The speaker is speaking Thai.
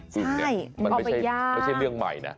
ใช่มันไม่ใช่เรื่องใหม่นะ